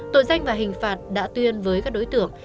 tội danh và hình phạt đã tuyên với các đối tượng